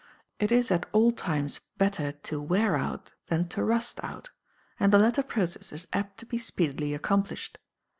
It is at all times better to wear out than to rust out, and the latter process is apt to be speedily accomplished.